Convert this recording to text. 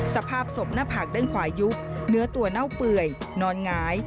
สภาพศพหน้าผากด้านขวายุบเนื้อตัวเน่าเปื่อยนอนหงาย